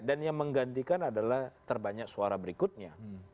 dan yang menggantikan adalah terbanyak suara berikutnya